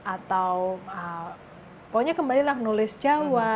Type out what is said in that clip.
atau pokoknya kembalilah nulis jawa